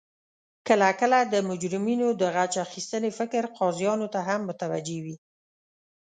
کله کله د مجرمینو د غچ اخستنې فکر قاضیانو ته هم متوجه وي